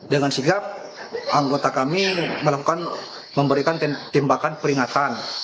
dengan sigap anggota kami melakukan memberikan tembakan peringatan